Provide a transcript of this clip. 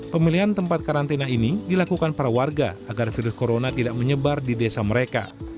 pemilihan tempat karantina ini dilakukan para warga agar virus corona tidak menyebar di desa mereka